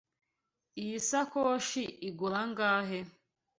Iyi sakoshi igura angahe?